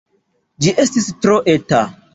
Ĝi estis tro eta.